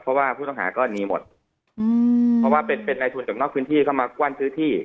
เพราะว่าผู้ต้องหาก็หนีหมดอืมเพราะว่าเป็นเป็นในทุนจากนอกพื้นที่เข้ามากว้านซื้อที่